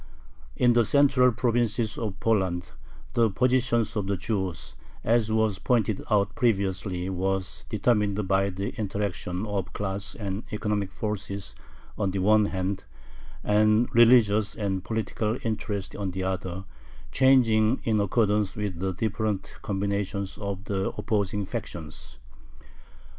In the central provinces of Poland the position of the Jews, as was pointed out previously, was determined by the interaction of class and economic forces on the one hand, and religious and political interests on the other, changing in accordance with the different combinations of the opposing factions.